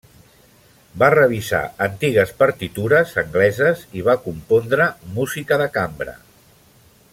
Va revisar antigues partitures angleses i va compondre música de cambra.